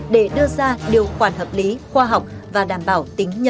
để đưa ra điều khoản hợp lý khoa học và đảm bảo